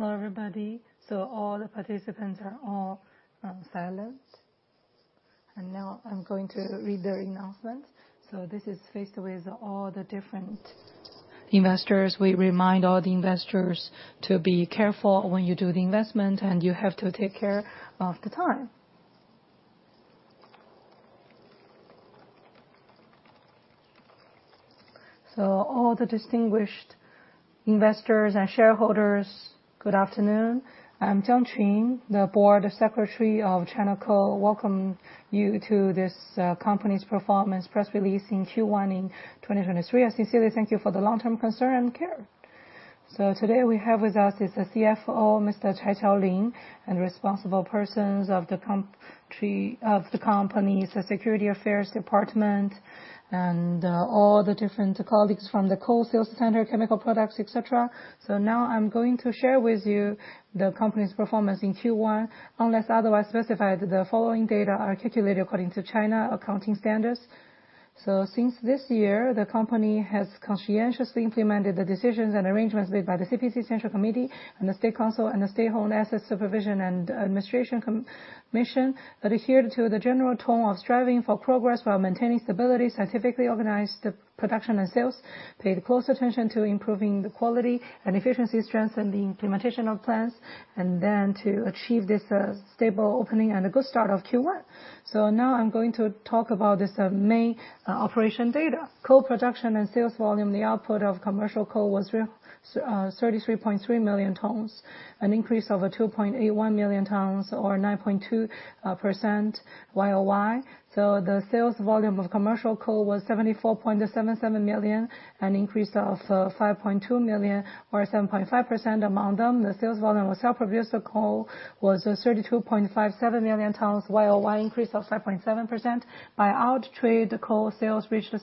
Hello, everybody. All the participants are silent. Now I'm going to read the announcement. This is faced with all the different investors. We remind all the investors to be careful when you do the investment, and you have to take care of the time. All the distinguished investors and shareholders, good afternoon. I'm Zhang Qing, the Board Secretary of China Coal. Welcome you to this company's performance press release in Q1 in 2023. I sincerely thank you for the long-term concern and care. Today we have with us is the CFO, Mr. Chai Qiaolin, and responsible persons of the company, the Security Affairs Department, and all the different colleagues from the coal sales center, chemical products, et cetera. Now I'm going to share with you the company's performance in Q1. Unless otherwise specified, the following data are articulated according to Chinese Accounting Standards. Since this year, the company has conscientiously implemented the decisions and arrangements made by the CPC Central Committee and the State Council and the State-owned Assets Supervision and Administration Commission, adhered to the general tone of striving for progress while maintaining stability, scientifically organized the production and sales, paid close attention to improving the quality and efficiency, strengthened the implementation of plans, to achieve this stable opening and a good start of Q1. Now I'm going to talk about this main operation data. Coal production and sales volume. The output of commercial coal was 33.3 million tons, an increase over 2.81 million tons or 9.2% YOY. The sales volume of commercial coal was 74.77 million, an increase of 5.2 million or 7.5%. Among them, the sales volume of self-produced coal was 32.57 million tons, YOY increase of 5.7%. Bought-out trade coal sales reached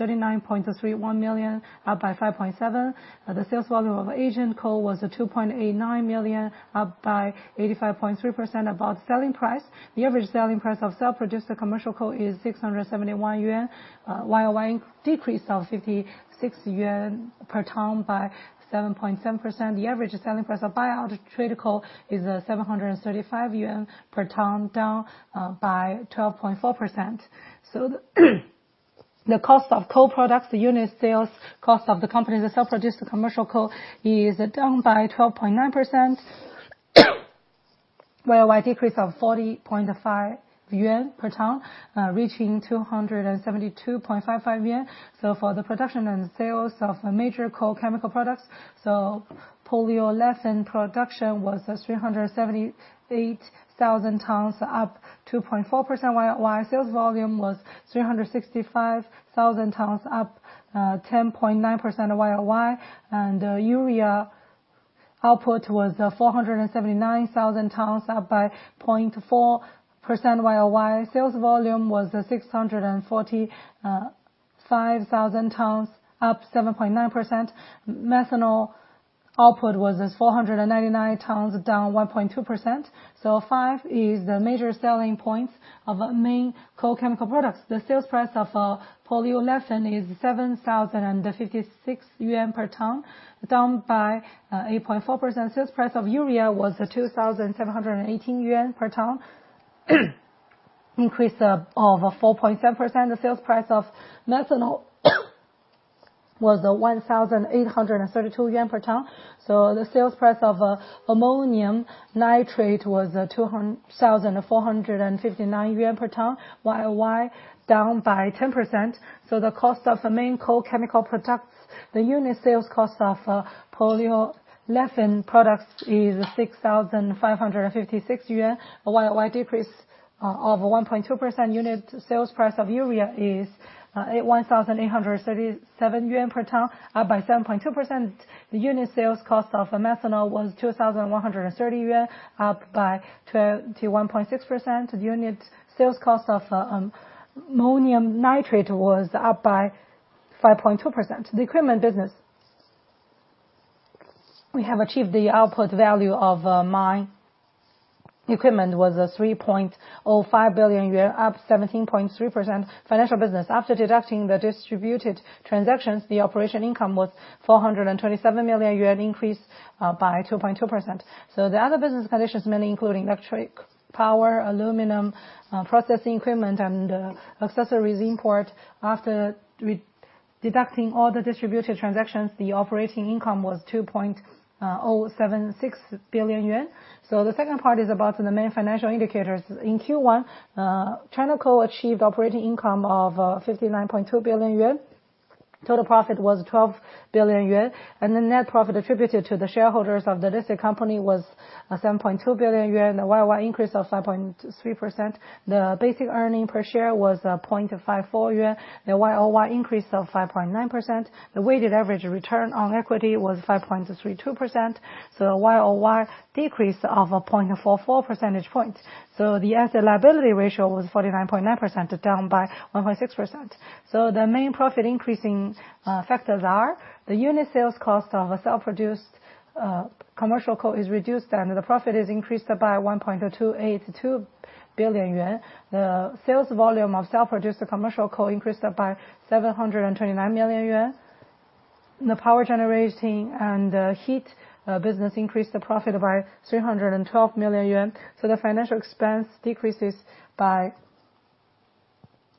39.31 million, up by 5.7%. The sales volume of agent coal was 2.89 million, up by 85.3%. About selling price, the average selling price of self-produced commercial coal is 671 yuan per ton, YOY decrease of CNY 56 per ton by 7.7%. The average selling price of Bought-out trade coal is 735 yuan per ton, down by 12.4%. The cost of coal products, the unit sales cost of the company's self-produced commercial coal is down by 12.9%, YOY decrease of 40.5 yuan per ton, reaching 272.55 yuan. For the production and sales of major coal chemical products, polyolefin production was 378,000 tons, up 2.4% YOY. Sales volume was 365,000 tons, up 10.9% YOY. Urea output was 479,000 tons, up by 0.4% YOY. Sales volume was 645,000 tons, up 7.9%. Methanol output was 499 tons, down 1.2%. 5 is the major selling points of main coal chemical products. The sales price of polyolefin is 7,056 yuan per ton, down by 8.4%. Sales price of urea was 2,718 yuan per ton, increase of 4.7%. The sales price of methanol was 1,832 yuan per ton. The sales price of ammonium nitrate was 2,459 yuan per ton, year-over-year down by 10%. The cost of the main coal chemical products, the unit sales cost of polyolefin products is 6,556 yuan, a year-over-year decrease of 1.2%. Unit sales price of urea is at 1,837 yuan per ton, up by 7.2%. The unit sales cost of methanol was 2,130 yuan, up by 1.6%. Unit sales cost of ammonium nitrate was up by 5.2%. The equipment business. We have achieved the output value of mine. Equipment was 3.05 billion yuan, up 17.3%. Financial business. After deducting the distributed transactions, the operation income was 427 million yuan, increased by 2.2%. The other business conditions mainly include electric, power, aluminum, processing equipment and accessories import. After deducting all the distributed transactions, the operating income was 2.076 billion yuan. The second part is about the main financial indicators. In Q1, China Coal achieved operating income of 59.2 billion yuan. Total profit was 12 billion yuan. The net profit attributed to the shareholders of the listed company was 7.2 billion yuan, a YOY increase of 5.3%. The basic earning per share was 0.54 yuan, a YOY increase of 5.9%. The weighted average return on equity was 5.32%. A YOY decrease of 0.44 percentage points. The asset liability ratio was 49.9%, down by 1.6%. The main profit increasing factors are the unit sales cost of a self-produced commercial coal is reduced and the profit is increased by 1.282 billion yuan. The sales volume of self-produced commercial coal increased by 729 million yuan. The power generating and heat business increased the profit by 312 million yuan. The financial expense decreases by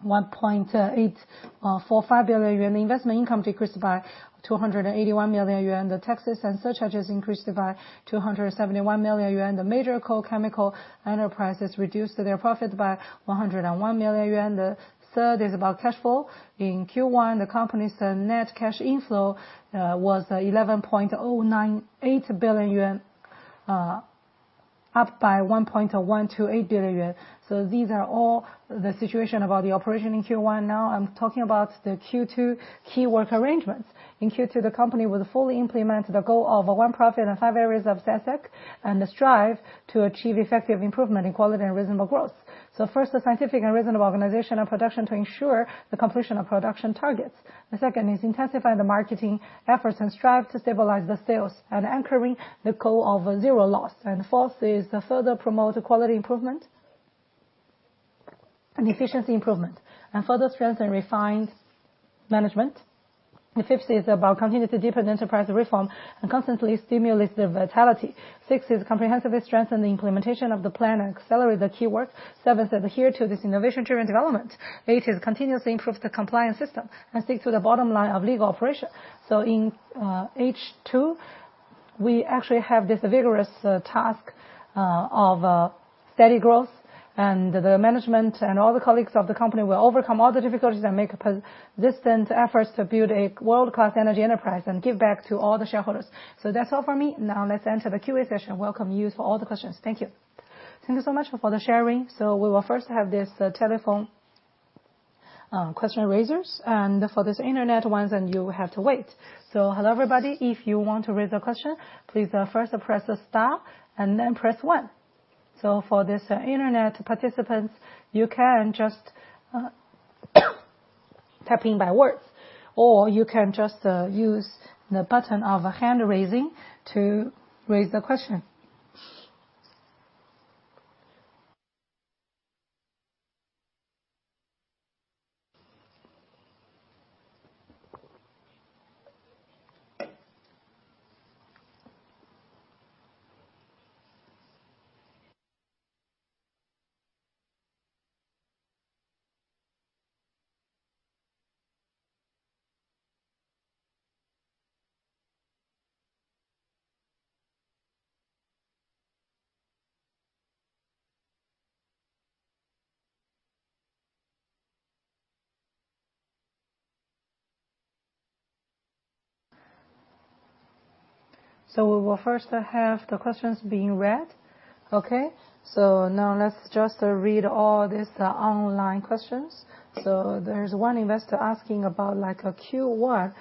4.5 billion yuan. Investment income decreased by 281 million yuan. The taxes and surcharges increased by 271 million yuan. The major coal chemical enterprises reduced their profit by 101 million yuan. The third is about cash flow. In Q1, the company's net cash inflow was 11.098 billion yuan, up by 1.128 billion yuan. These are all the situation about the operation in Q1. Now I'm talking about the Q2 key work arrangements. In Q2, the company will fully implement the goal of one profit and five rates of SASAC and strive to achieve effective improvement in quality and reasonable growth. First, the scientific and reasonable organization of production to ensure the completion of production targets. The second is intensify the marketing efforts and strive to stabilize the sales and anchoring the goal of zero loss. Fourth, to further promote quality improvement and efficiency improvement and further strengthen refined management. The fifth is about continue to deepen the enterprise reform and constantly stimulate the vitality. Sixth, comprehensively strengthen the implementation of the plan and accelerate the keyword. Seventh, adhere to this innovation-driven development. Eighth, continuously improve the compliance system and stick to the bottom line of legal operation. In H2, we actually have this vigorous task of steady growth and the management and all the colleagues of the company will overcome all the difficulties and make persistent efforts to build a world-class energy enterprise and give back to all the shareholders. That's all for me. Now let's enter the Q&A session. Welcome you for all the questions. Thank you. Thank you so much for the sharing. We will first have this telephone question raisers. For this internet ones, and you have to wait. Hello, everybody. If you want to raise a question, please first press star and then press one. For this internet participants, you can just type in by words, or you can just use the button of hand raising to raise the question. We will first have the questions being read. Okay? Now let's just read all these, the online questions. There's one investor asking about like a Q1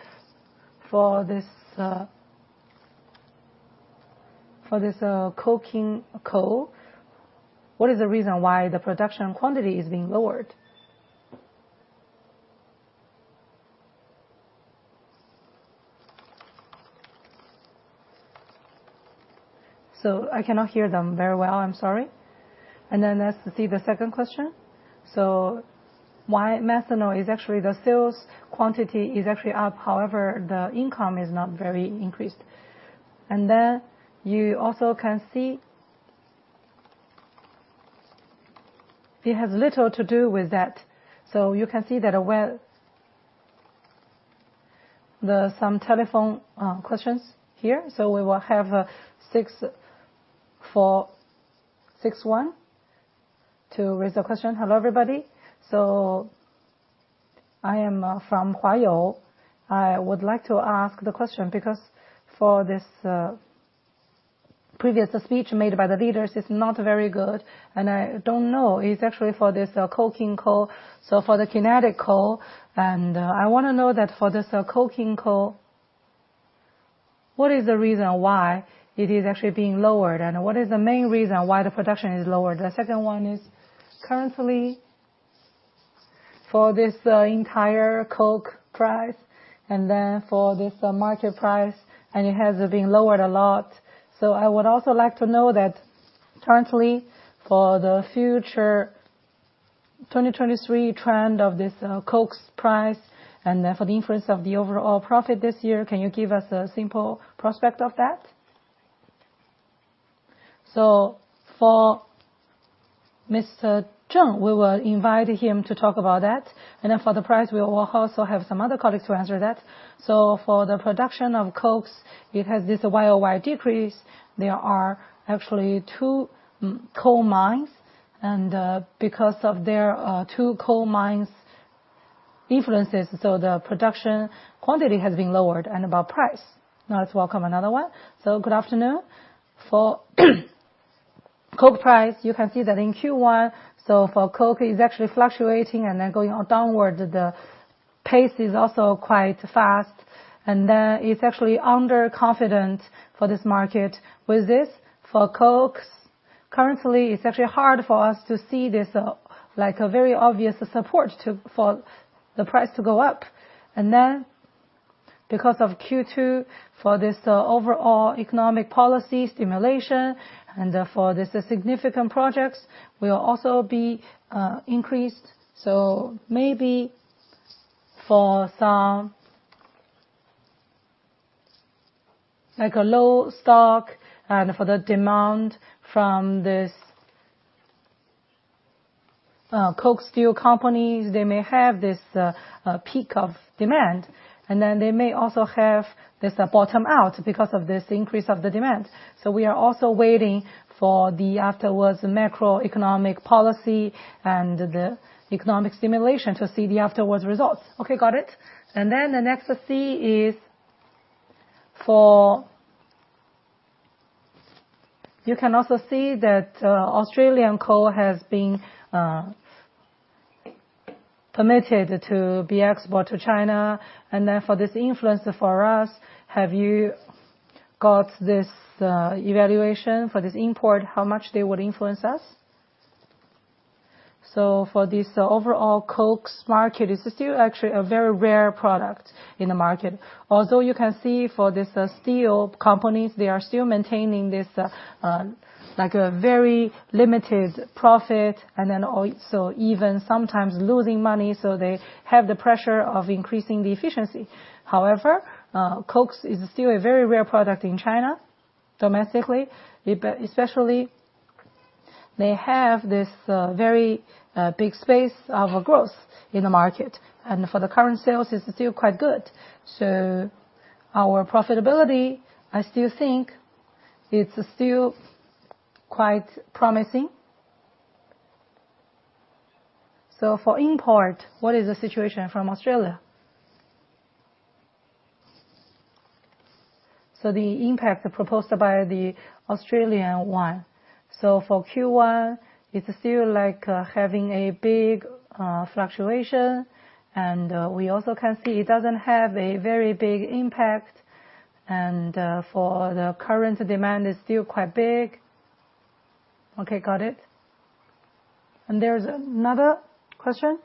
for this for this coking coal. What is the reason why the production quantity is being lowered? I cannot hear them very well. I'm sorry. Let's see the second question. Why methanol is actually the sales quantity is actually up. However, the income is not very increased. You also can see. It has little to do with that. You can see that, some telephone questions here. We will have 6461 to raise a question. ` Hello, everybody. I am from Huayao. I would like to ask the question because for this previous speech made by the leaders, it's not very good. I don't know. It's actually for this coking coal. For the kinetic coal, and, I wanna know that for this coking coal, what is the reason why it is actually being lowered? What is the main reason why the production is lowered? The second one is currently for this entire coke price, for this market price, it has been lowered a lot. I would also like to know that currently for the future 2023 trend of this coke price and for the influence of the overall profit this year, can you give us a simple prospect of that? For Mr. Zheng, we will invite him to talk about that. For the price, we will also have some other colleagues to answer that. For the production of coke, it has this YOY decrease. There are actually two mines. Because of their two coal mines influences, the production quantity has been lowered and about price. Now let's welcome another one. Good afternoon. For coke price, you can see that in Q1. For coke is actually fluctuating and then going downward. The pace is also quite fast, and it's actually underconfident for this market. With this, for cokes, currently it's actually hard for us to see this, like, a very obvious support for the price to go up. Because of Q2, for this overall economic policy stimulation, and for the significant projects will also be increased. Maybe for some, like a low stock and for the demand from this, coke steel companies, they may have this peak of demand, and then they may also have this bottom out because of this increase of the demand. We are also waiting for the afterwards macroeconomic policy and the economic stimulation to see the afterwards results. Okay, got it. The next to see is for... You can also see that Australian coal has been permitted to be exported to China. For this influence for us, have you got this evaluation for this import, how much they would influence us? For this overall cokes market, it's still actually a very rare product in the market. Although you can see for this steel companies, they are still maintaining this like a very limited profit and then also even sometimes losing money, so they have the pressure of increasing the efficiency. However, cokes is still a very rare product in China, domestically, especially they have this very big space of growth in the market. For the current sales, it's still quite good. Our profitability, I still think it's still quite promising. For import, what is the situation from Australia? The impact proposed by the Australian one. For Q1, it's still like having a big fluctuation, we also can see it doesn't have a very big impact. For the current demand is still quite big. Okay, got it. There's another question.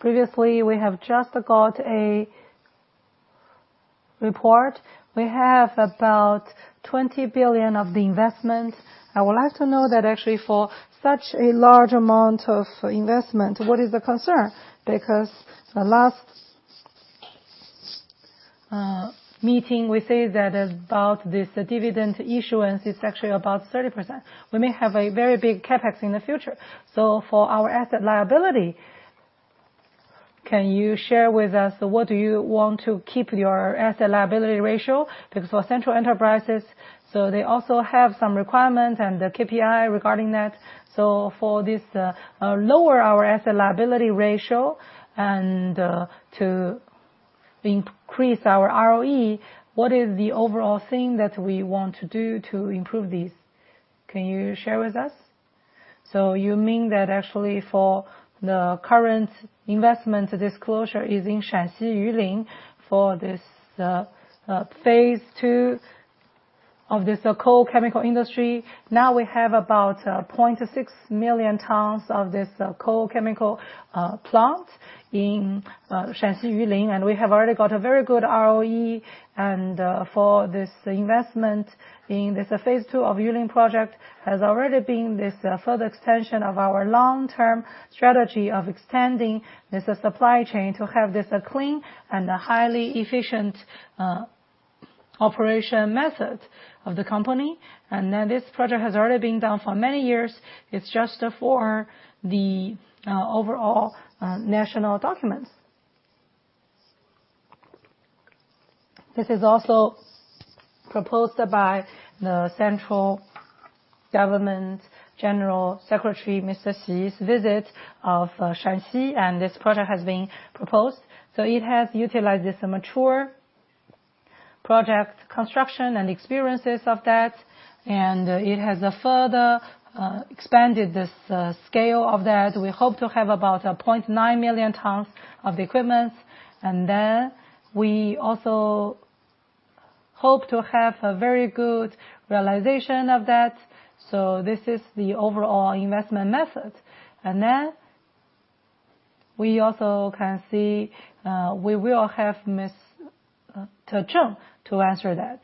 Previously we have just got a report. We have about 20 billion of the investment. I would like to know that actually for such a large amount of investment, what is the concern? The last meeting, we say that about this dividend issuance is actually about 30%. We may have a very big CapEx in the future. For our asset liability, can you share with us what do you want to keep your asset liability ratio? For central enterprises, they also have some requirements and the KPI regarding that. For this, lower our asset liability ratio and to increase our ROE, what is the overall thing that we want to do to improve this? Can you share with us? You mean that actually for the current investment disclosure is in Shaanxi, Yulin for this phase two of this coal chemical industry. Now we have about 0.6 million tons of this coal chemical plant in Shaanxi, Yulin, and we have already got a very good ROE. For this investment in this phase two of Yulin project has already been this further extension of our long-term strategy of extending this supply chain to have this clean and highly efficient operation method of the company. This project has already been done for many years. It's just for the overall national documents. This is also proposed by the central government General Secretary Mr. Xi's visit of Shanxi. This project has been proposed. It has utilized this mature project construction and experiences of that, and it has further expanded this scale of that. We hope to have about a 0.9 million tons of the equipment. We also hope to have a very good realization of that. This is the overall investment method. We also can see, we will have Miss Zhong to answer that.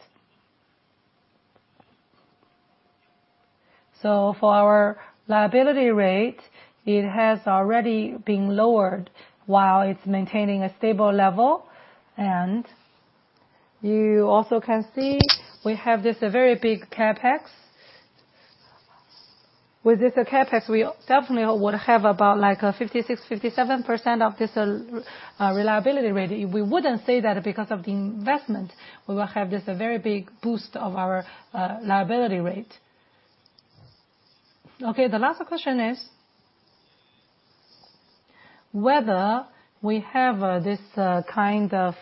For our liability rate, it has already been lowered while it's maintaining a stable level. You also can see we have this very big CapEx. With this CapEx, we definitely would have about like a 56%-57% of this liability rate. We wouldn't say that because of the investment. We will have this very big boost of our liability rate. The last question is, whether we have this kind of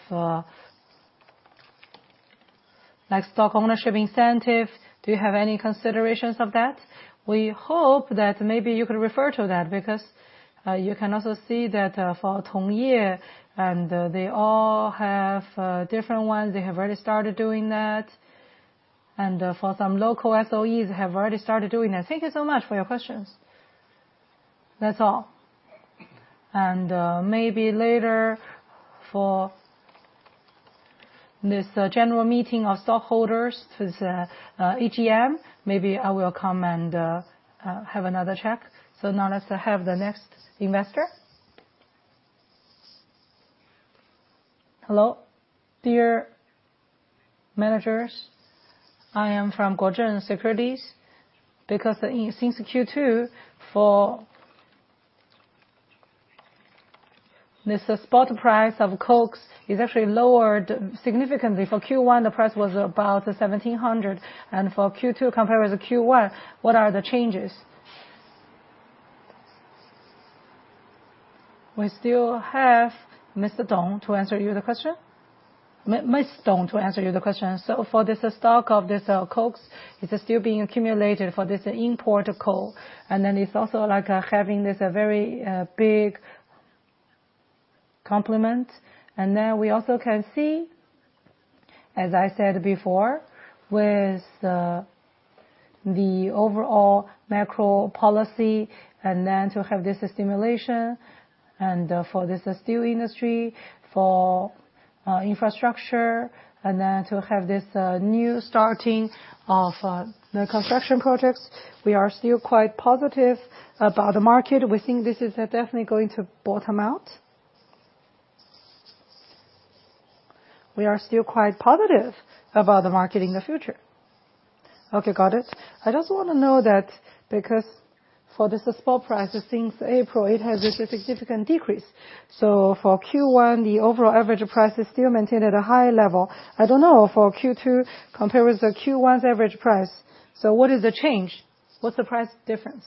like stock ownership incentive, do you have any considerations of that? We hope that maybe you could refer to that because you can also see that for Tongya, they all have different ones. They have already started doing that. For some local SOEs have already started doing that. Thank you so much for your questions. That's all. Maybe later for this general meeting of stockholders, this AGM, maybe I will come and have another chat. Now let's have the next investor. Hello. Dear managers, I am from Guosen Securities. Since Q2, for this spot price of cokes, it's actually lowered significantly. For Q1, the price was about 1,700. For Q2 compared with Q1, what are the changes? We still have Mr. Dong to answer you the question. Ms. Dong to answer you the question. For this stock of this cokes, it's still being accumulated for this import coal. It's also like having this very big complement. We also can see, as I said before, with the overall macro policy, to have this stimulation and for this steel industry, for infrastructure, to have this new starting of the construction projects. We are still quite positive about the market. We think this is definitely going to bottom out. We are still quite positive about the market in the future. Okay, got it. I just want to know that because for this spot price since April, it has this significant decrease. For Q1, the overall average price is still maintained at a high level. I don't know for Q2 compared with the Q1's average price. What is the change? What's the price difference?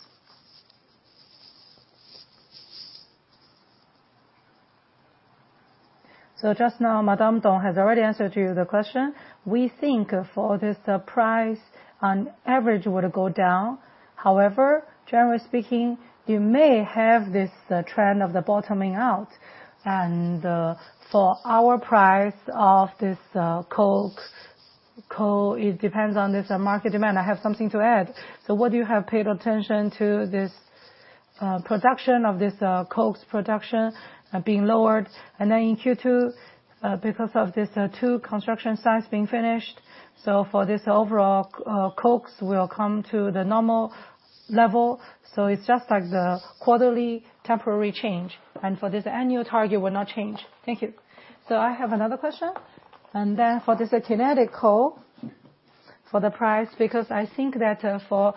Just now, Madam Dong has already answered to you the question. We think for this price on average would go down. However, generally speaking, you may have this trend of the bottoming out. And for our price of this cokes, coal, it depends on this market demand. I have something to add. What you have paid attention to this production of this cokes production being lowered. Then in Q2, because of these two construction sites being finished, for this overall cokes will come to the normal level. It's just like the quarterly temporary change. For this annual target will not change. Thank you. I have another question. For this kinetic coal, for the price, because I think that, for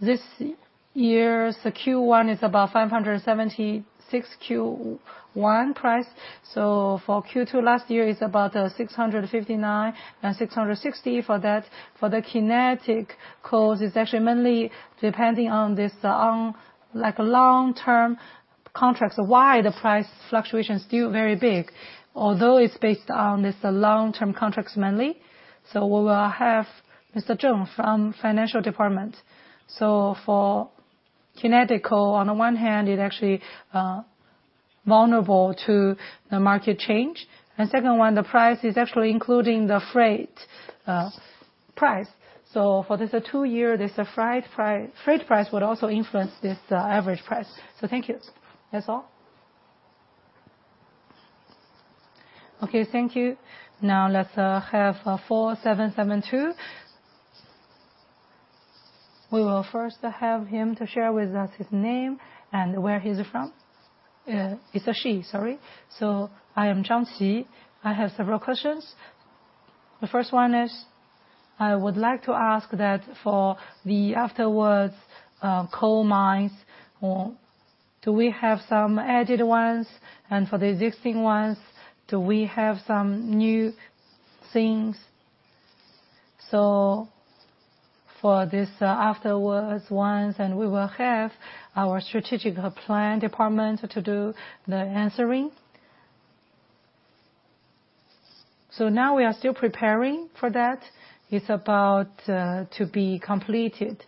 this year's Q1 is about 576 Q1 price. For Q2 last year, it's about 659 and 660 for that. For the kinetic coal, it's actually mainly depending on this long, like long-term contracts, why the price fluctuation is still very big. Although it's based on this long-term contracts mainly. We will have Mr. Zhong from Financial Department. For kinetic coal, on one hand, it actually vulnerable to the market change. Second one, the price is actually including the freight price. For this two year, this freight price would also influence this average price. Thank you. That's all. Okay, thank you. Now let's have 4772. We will first have him to share with us his name and where he's from. It's a she, sorry. I am Zhang Ji. I have several questions. The first one is, I would like to ask that for the afterwards coal mines, do we have some added ones? For the existing ones, do we have some new things? For this afterwards ones, and we will have our strategic plan department to do the answering. Now we are still preparing for that. It's about to be completed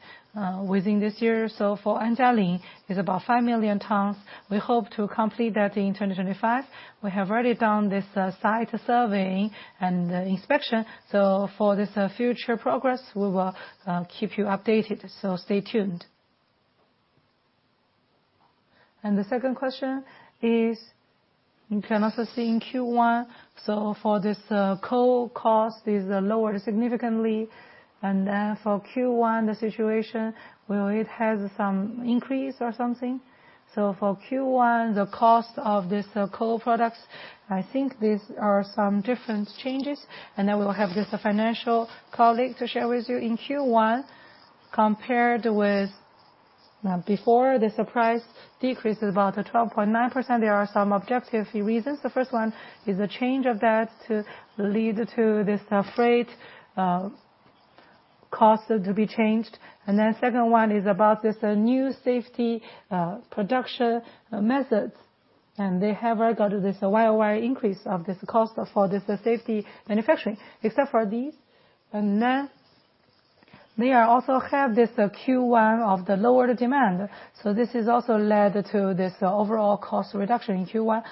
within this year. For Anjialing, it's about 5 million tons. We hope to complete that in 2025. We have already done this site surveying and inspection. For this future progress, we will keep you updated. Stay tuned. The second question is, you can also see in Q1. For this, coal cost is lowered significantly. For Q1, the situation, will it have some increase or something? For Q1, the cost of this, coal products, I think these are some different changes. Then we will have this financial colleague to share with you. In Q1, compared with, before this price decreased about 12.9%, there are some objective reasons. The 1st one is a change of that to lead to this, freight, cost to be changed. Second one is about this new safety, production methods. They have already got this YOY increase of this cost for this safety manufacturing. Except for these, They also have this Q1 of the lower demand. This has also led to this overall cost reduction in Q1.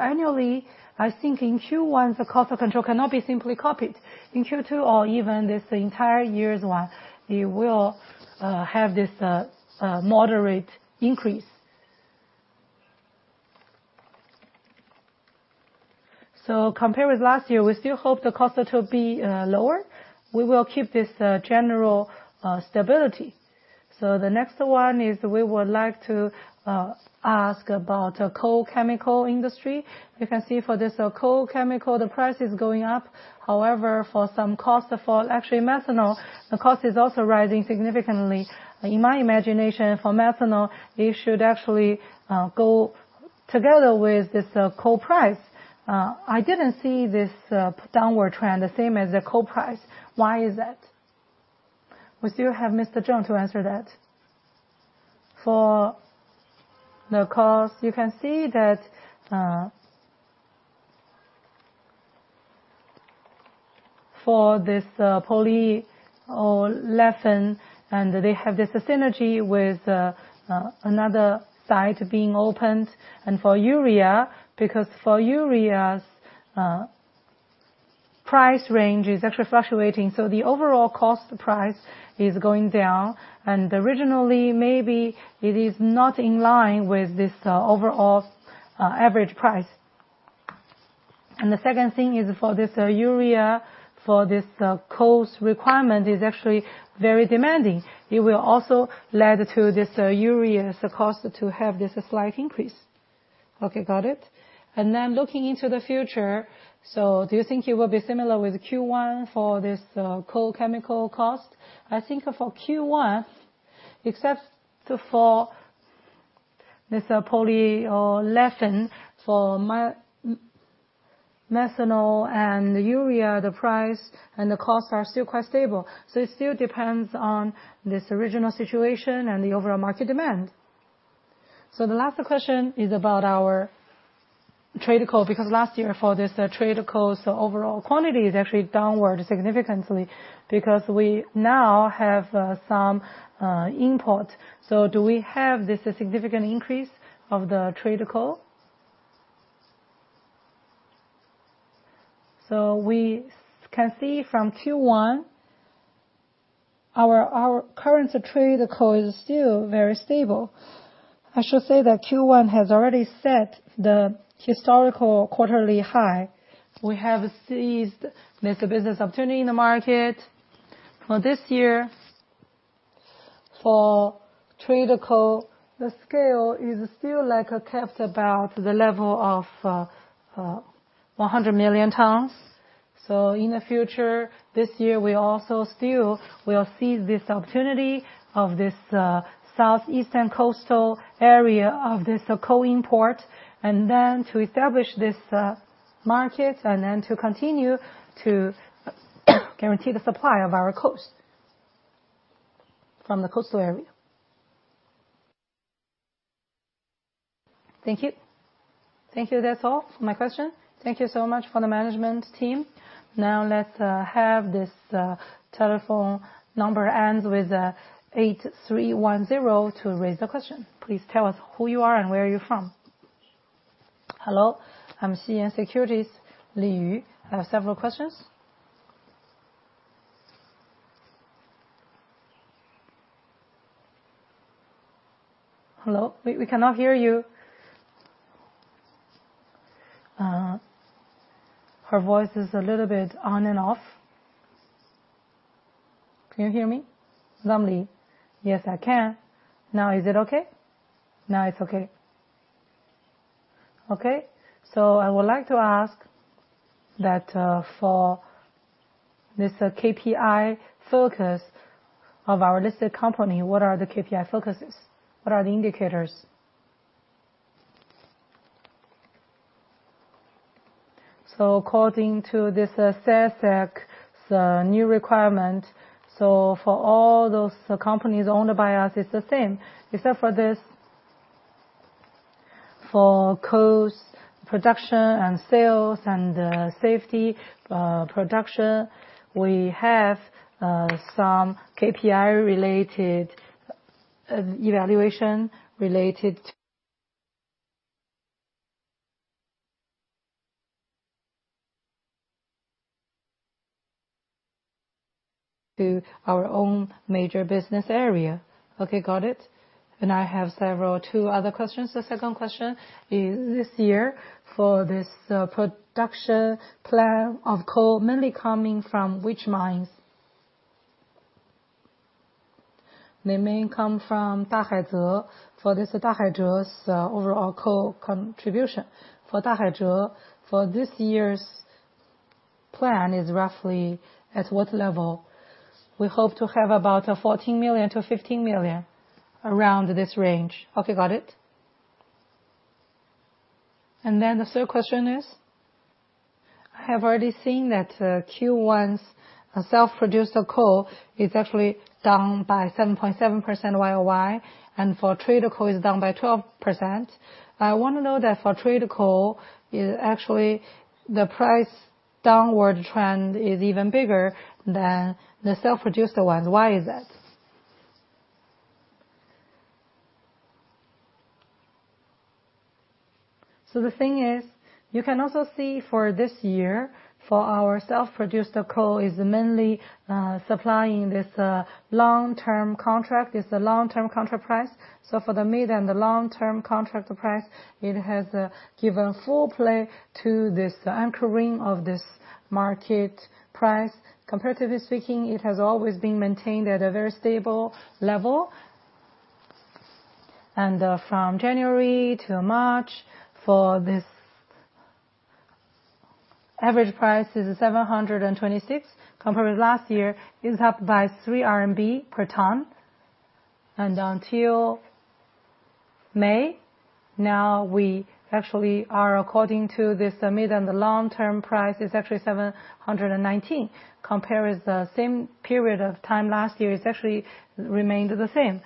Annually, I think in Q1, the cost of control cannot be simply copied. In Q2 or even this entire year's one, you will have this moderate increase. Compared with last year, we still hope the cost will be lower. We will keep this general stability. The next one is we would like to ask about coal chemical industry. You can see for this coal chemical, the price is going up. However, for some cost for actually methanol, the cost is also rising significantly. In my imagination, for methanol, it should actually go together with this coal price. I didn't see this downward trend the same as the coal price. Why is that? We still have Mr. Zhang to answer that. For the cost, you can see that, for this polyolefin, they have this synergy with another site being opened. For urea, because for urea's price range is actually fluctuating, the overall cost price is going down. Originally, maybe it is not in line with this overall average price. The second thing is for this urea, for this cost requirement is actually very demanding. It will also lead to this urea's cost to have this slight increase. Okay, got it. Looking into the future, do you think it will be similar with Q1 for this coal chemical cost? I think for Q1, except for this polyolefin, for methanol and urea, the price and the costs are still quite stable. It still depends on this original situation and the overall market demand. The last question is about our traded coal, because last year for this traded coal, overall quantity is actually downward significantly because we now have some import. Do we have this significant increase of the traded coal? We can see from Q1, our current traded coal is still very stable. I should say that Q1 has already set the historical quarterly high. We have seized this business opportunity in the market. For this year, for traded coal, the scale is still like kept about the level of 100 million tons. In the future, this year, we also still will seize this opportunity of this southeastern coastal area of this coal import, and then to establish this market and then to continue to guarantee the supply of our coast from the coastal area. Thank you. Thank you. That's all for my question. Thank you so much for the management team. Now let's have this telephone number ends with 8310 to raise the question. Please tell us who you are and where are you from. Hello, I'm CITIC Securities, Li Yu. I have several questions. Hello. We cannot hear you. Her voice is a little bit on and off. Can you hear me normally? Yes, I can. Now is it okay? Now it's okay. Okay. I would like to ask that, for this KPI focus of our listed company, what are the KPI focuses? What are the indicators? According to this SASAC's new requirement, so for all those companies owned by us, it's the same. Except for this, for coal's production and sales and safety production, we have some KPI-related evaluation related to our own major business area. Okay, got it. I have two other questions. The second question is this year, for this production plan of coal mainly coming from which mines? They mainly come from Dahaize. For this Dahaize's overall coal contribution. For Dahaize, for this year's plan is roughly at what level? We hope to have about a 14 million-15 million around this range. Okay, got it. The third question is? I have already seen that Q1's self-produced coal is actually down by 7.7% YOY, and for traded coal, it's down by 12%. I want to know that for traded coal, is actually the price downward trend is even bigger than the self-producer one. Why is that? The thing is, you can also see for this year, for our self-produced coal is mainly supplying this long-term contract. It's a long-term contract price. For the mid and the long-term contract price, it has given full play to this anchoring of this market price. Comparatively speaking, it has always been maintained at a very stable level. From January to March for this average price is 726. Compared with last year, it's up by 3 RMB per ton. Until May, now we actually are according to this mid and the long-term price, it's actually 719. Compare with the same period of time last year, it's actually remained the same.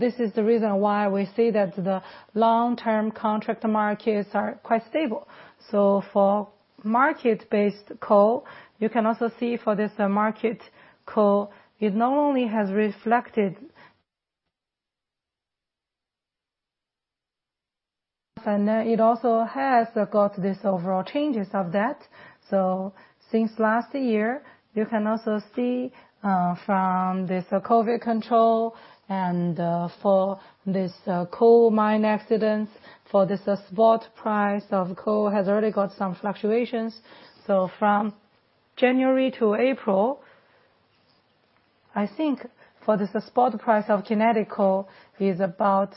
This is the reason why we say that the long-term contract markets are quite stable. For market-based coal, you can also see for this market coal, it not only has reflected. It also has got these overall changes of that. Since last year, you can also see, from this COVID control and, for this coal mine accidents, for this spot price of coal has already got some fluctuations. From January to April, I think for this spot price of coking coal is about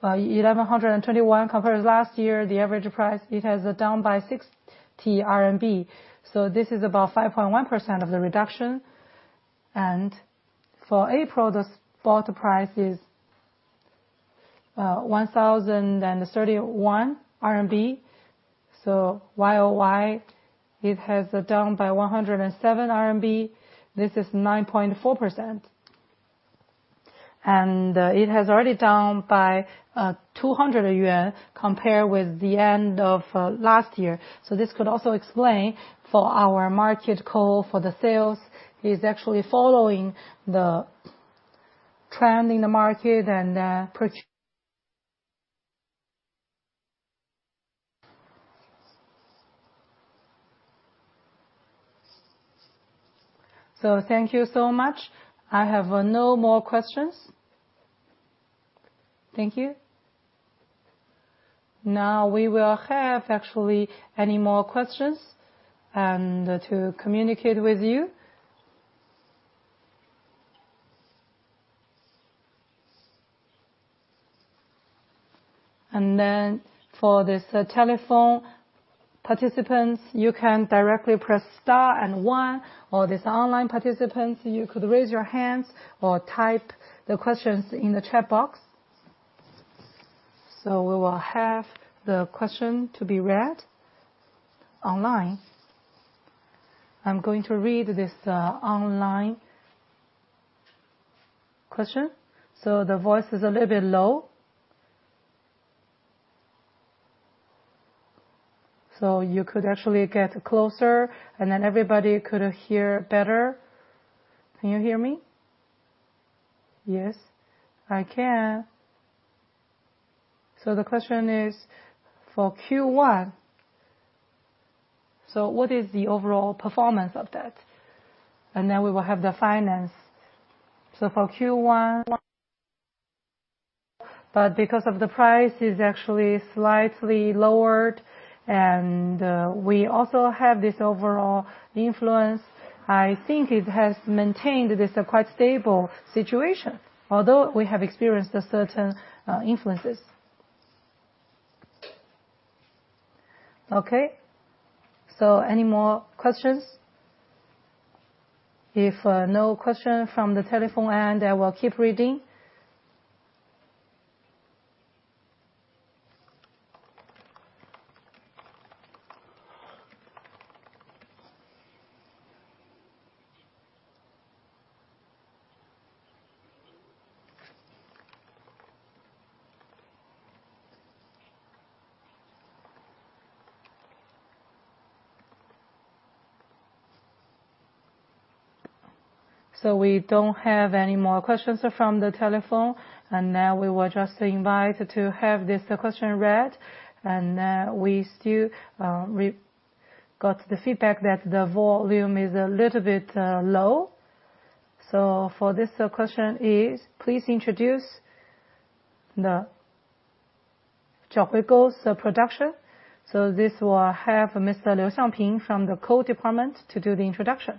1,121. Compared to last year, the average price, it has down by 60 RMB. This is about 5.1% of the reduction. For April, the spot price is 1,031 RMB RMB. YOY, it has down by 107 RMB RMB. This is 9.4%. It has already down by 200 yuan compare with the end of last year. This could also explain for our market coal for the sales, is actually following the trend in the market. Thank you so much. I have no more questions. Thank you. Now, we will have actually any more questions and to communicate with you. For this telephone participants, you can directly press star and one, or these online participants, you could raise your hands or type the questions in the chat box. We will have the question to be read online. I'm going to read this online question. The voice is a little bit low. You could actually get closer and then everybody could hear better. Can you hear me? Yes, I can. The question is, for Q1, what is the overall performance of that? We will have the finance. For Q1, but because of the price is actually slightly lowered and we also have this overall influence, I think it has maintained this quite stable situation, although we have experienced a certain influences. Okay. Any more questions? If no question from the telephone end, I will keep reading. We don't have any more questions from the telephone, and now we will just invite to have this question read. We still, we got the feedback that the volume is a little bit low. For this question is, please introduce the Xiaohuigou's production. This will have Mr. Liu Xiangping from the coal department to do the introduction.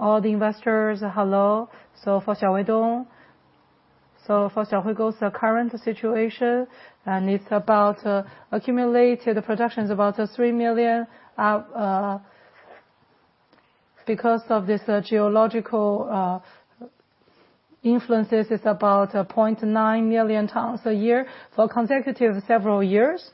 All the investors, hello. For Xiaohuigou's current situation, it's about accumulated production is about 3 million because of this geological influences, it's about 0.9 million tons a year for consecutive several years.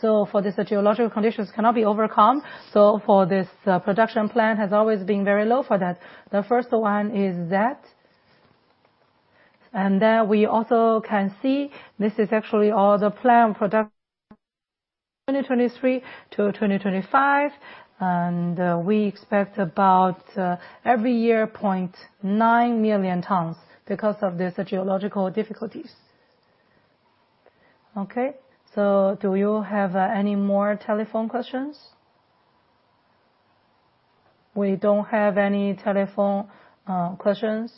For this, geological conditions cannot be overcome. For this production plan has always been very low for that. The first one is that. We also can see this is actually all the planned product 2023-2025, we expect about every year 0.9 million tons because of these geological difficulties. Okay. Do you have any more telephone questions? We don't have any telephone questions,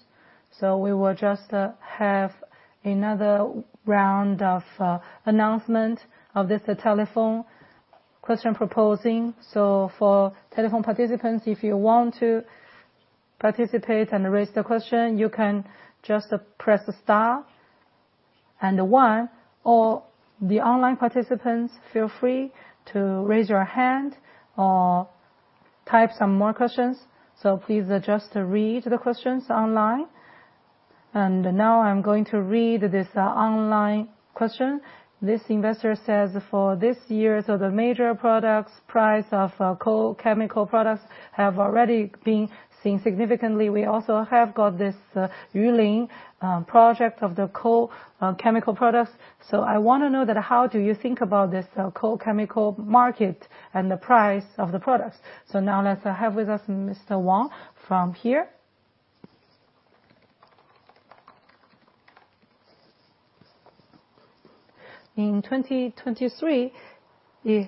we will just have another round of announcement of this telephone question proposing. For telephone participants, if you want to participate and raise the question, you can just press star 1, or the online participants, feel free to raise your hand or type some more questions. Please just read the questions online. Now I'm going to read this online question. This investor says, "For this year, the major products, price of coal chemical products have already been seen significantly. We also have got this Yulin project of the coal chemical products. I want to know that how do you think about this coal chemical market and the price of the products?" Now let's have with us Mr. Wang from here. In 2023 is...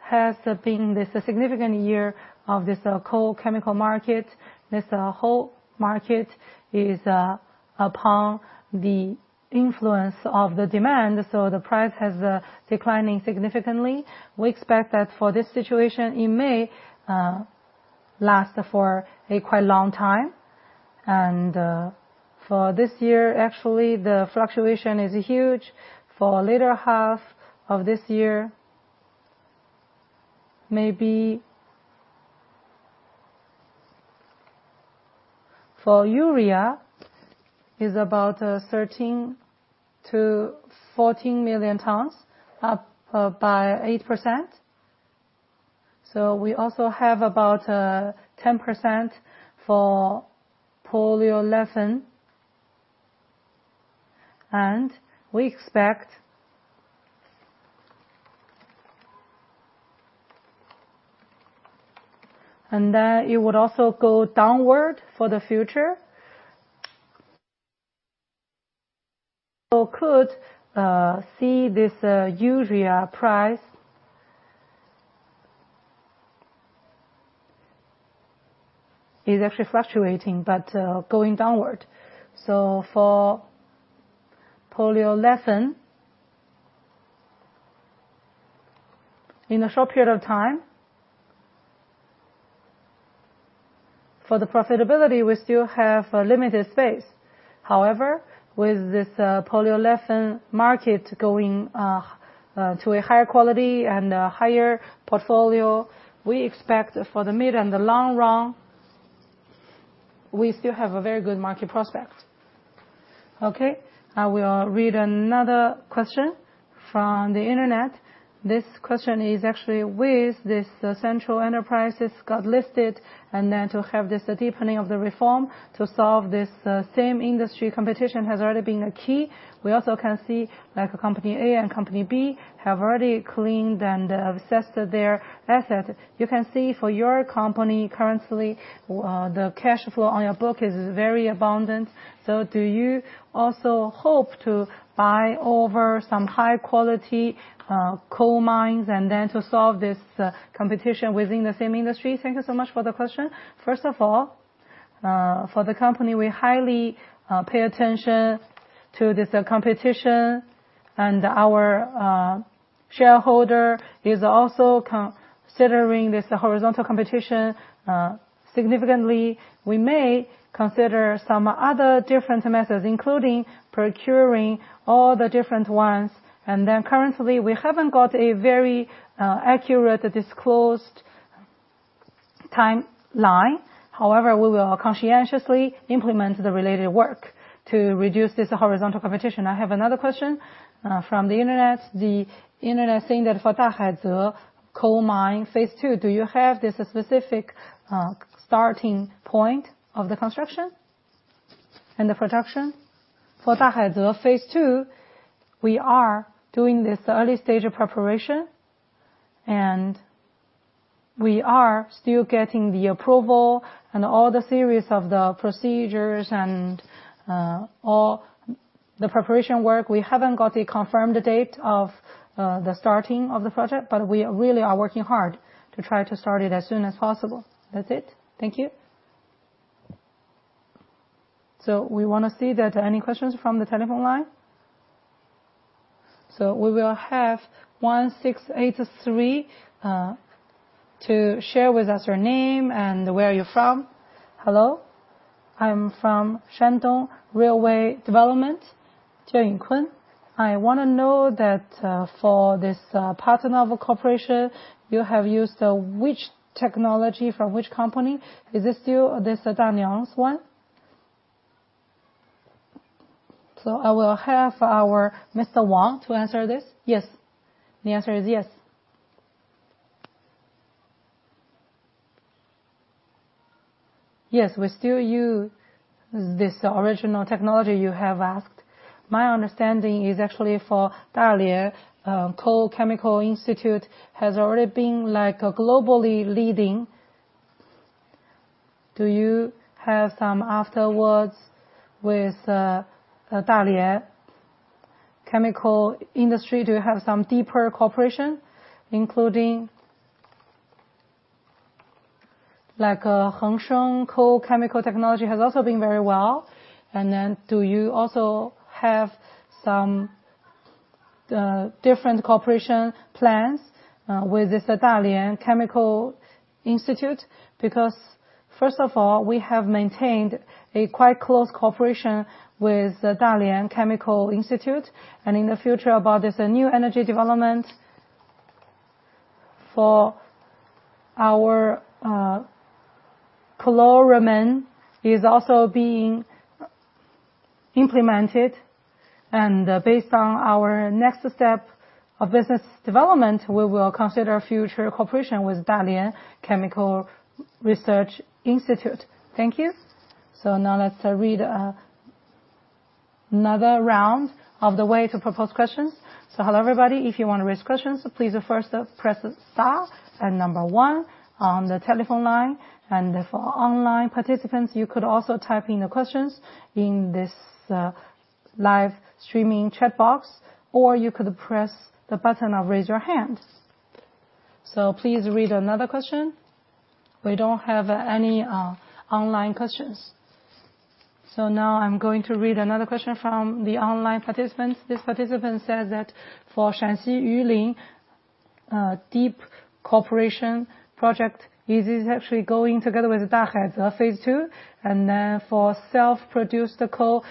has been this significant year of this coal chemical market. This whole market is upon the influence of the demand, so the price has declining significantly. We expect that for this situation, it may last for a quite long time. For this year, actually, the fluctuation is huge. For latter half of this year, maybe. For urea is about 13-14 million tons, up by 8%. We also have about 10% for polyolefin. We expect. It would also go downward for the future. Could see this urea price is actually fluctuating, but going downward. For polyolefin, in a short period of time, for the profitability, we still have a limited space. However, with this polyolefin market going to a higher quality and a higher portfolio, we expect for the mid and the long run, we still have a very good market prospect. Okay, I will read another question from the internet. This question is actually, with this central enterprises got listed and then to have this deepening of the reform to solve this same industry competition has already been a key. We also can see like a company A and company B have already cleaned and assessed their asset. You can see for your company currently, the cash flow on your book is very abundant. Do you also hope to buy over some high quality coal mines and then to solve this competition within the same industry? Thank you so much for the question. First of all, for the company, we highly pay attention to this competition and our shareholder is also considering this horizontal competition significantly. Currently, we haven't got a very accurate disclosed timeline. However, we will conscientiously implement the related work to reduce this horizontal competition. I have another question from the internet. The internet saying that for Dahaize Coal Mine Phase II, do you have this specific starting point of the construction and the production? For Dahaize Phase II, we are doing this early stage of preparation, and we are still getting the approval and all the series of the procedures and all the preparation work. We haven't got a confirmed date of the starting of the project, we really are working hard to try to start it as soon as possible. That's it. Thank you. We wanna see that any questions from the telephone line. We will have 1683 to share with us your name and where you're from. Hello, I'm from Shandong Railway Development, Jo Yunkun. I wanna know that for this partner of a corporation, you have used which technology from which company? Is this still this Dalian's one? I will have our Mr. Wang to answer this. Yes. The answer is yes. Yes, we still use this original technology you have asked. My understanding is actually for Dalian, Coal Chemical Institute has already been like a globally leading. Do you have some afterwards with Dalian Chemical Industry? Do you have some deeper cooperation, including like Hengshun Coal Chemical Technology has also been very well. Do you also have some different cooperation plans with this Dalian Chemical Institute? First of all, we have maintained a quite close cooperation with Dalian Chemical Institute. In the future about this new energy development for our chloramine is also being implemented. Based on our next step of business development, we will consider future cooperation with Dalian Chemical Research Institute. Thank you. Now let's read another round of the way to propose questions. Hello, everybody. If you want to raise questions, please first press star and 1 on the telephone line. For online participants, you could also type in the questions in this live streaming chat box, or you could press the button of Raise Your Hand. Please read another question. We don't have any online questions. Now I'm going to read another question from the online participant. This participant says that for Shanxi Yulin deep cooperation project, is this actually going together with Dahaize Phase II? For self-produced coal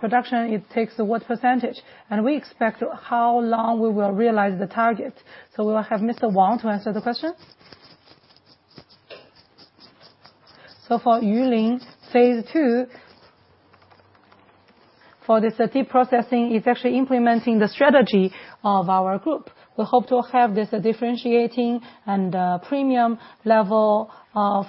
production, it takes what %? We expect how long we will realize the target. We will have Mr. Wang to answer the question. For Yulin Phase II, for this deep processing, it's actually implementing the strategy of our group. We hope to have this differentiating and premium level of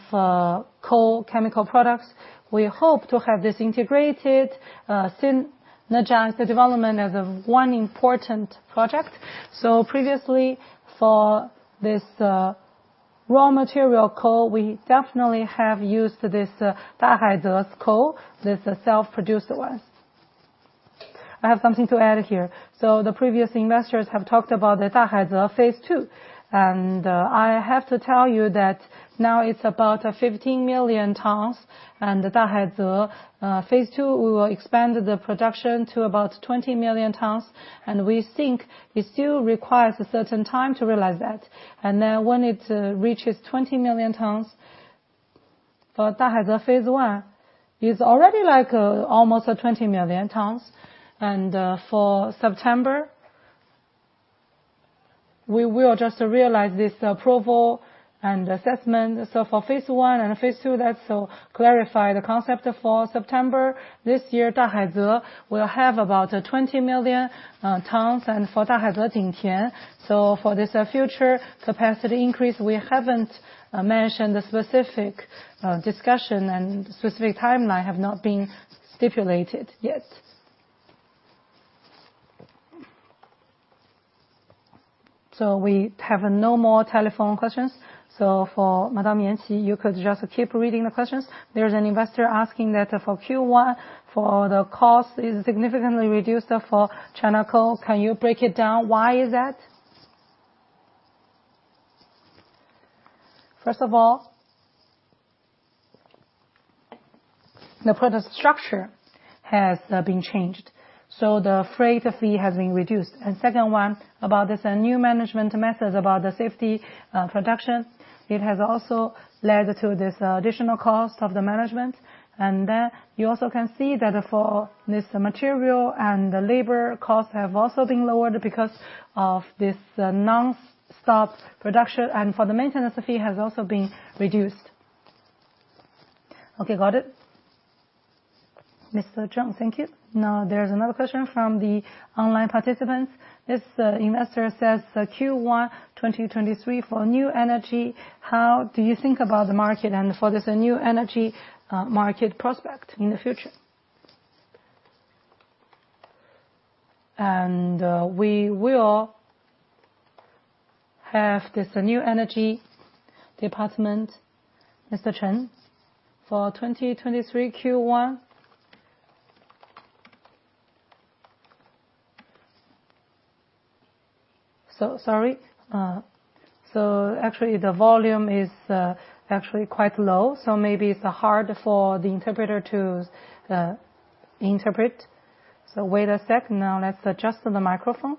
coal chemical products. We hope to have this integrated, synergize the development as one important project. Previously, for this raw material coal, we definitely have used this Dahaize's coal, this self-produced one. I have something to add here. The previous investors have talked about the Dahaize Phase II. I have to tell you that now it's about 15 million tons. Dahaize Phase II, we will expand the production to about 20 million tons. We think it still requires a certain time to realize that. Then when it reaches 20 million tons for Dahaize Phase I, it's already like almost 20 million tons. For September, we will just realize this approval and assessment. For Phase I and Phase II, that's to clarify the concept. For September this year, Dahaize will have about 20 million tons. For Dahaize Jingqian, for this future capacity increase, we haven't mentioned the specific discussion and specific timeline have not been stipulated yet. We have no more telephone questions. For Madam Yan Xi, you could just keep reading the questions. There's an investor asking that for Q1, for the cost is significantly reduced for China Coal. Can you break it down? Why is that? First of all, the product structure has been changed, so the freight fee has been reduced. Second one, about this new management method about the safety production. It has also led to this additional cost of the management. You also can see that for this material and the labor costs have also been lowered because of this nonstop production. For the maintenance fee has also been reduced. Okay, got it. Mr. Zhong, thank you. Now there's another question from the online participants. This investor says Q1 2023 for new energy, how do you think about the market and for this new energy market prospect in the future? We will have this New Energy Department, Mr. Chen, for 2023 Q1. Sorry. Actually the volume is actually quite low, so maybe it's hard for the interpreter to interpret. Wait a sec. Now let's adjust the microphone.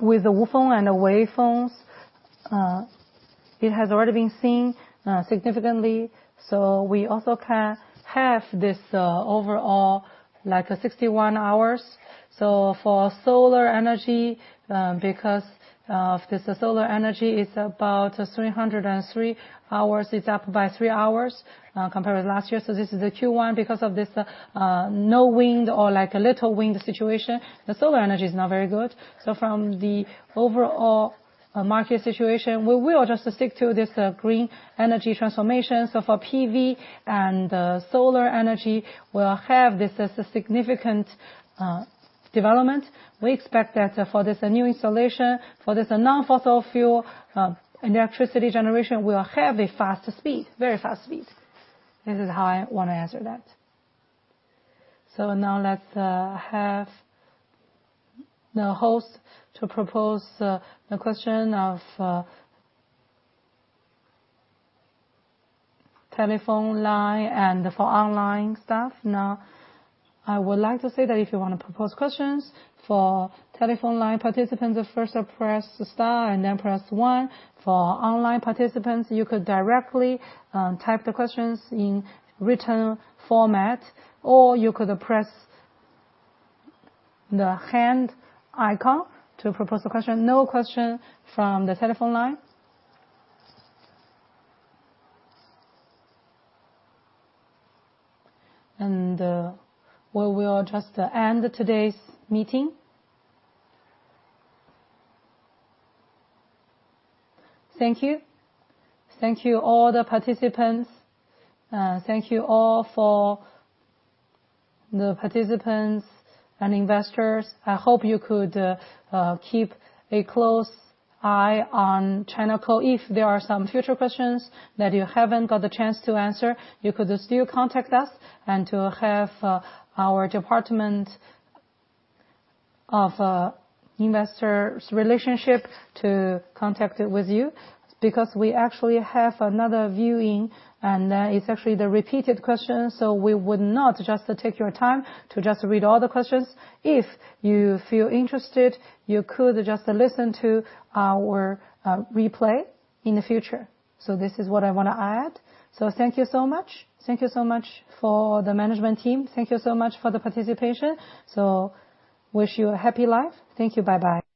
With Wufeng and Weifeng, it has already been seen significantly. We also have this overall, like 61 hours. For solar energy, because of this solar energy is about 303 hours. It's up by 3 hours compared with last year. This is the Q1 because of this no wind or like a little wind situation. The solar energy is not very good. From the overall market situation, we will just stick to this green energy transformation. For PV and solar energy, we'll have this as a significant development. We expect that for this new installation, for this non-fossil fuel and electricity generation, we'll have a faster speed, very fast speed. This is how I wanna answer that. Now let's have the host to propose the question of telephone line and for online staff. Now, I would like to say that if you wanna propose questions for telephone line participants, first press star and then press 1. For online participants, you could directly type the questions in written format, or you could press the hand icon to propose a question. No question from the telephone line. We will just end today's meeting. Thank you. Thank you all the participants. Thank you all for the participants and investors. I hope you could keep a close eye on China Co. If there are some future questions that you haven't got the chance to answer, you could still contact us and to have our department of investor's relationship to contact it with you, because we actually have another viewing, and it's actually the repeated question, we would not just take your time to just read all the questions. If you feel interested, you could just listen to our replay in the future. This is what I wanna add. Thank you so much. Thank you so much for the management team. Thank you so much for the participation. Wish you a happy life. Thank you. Bye-bye.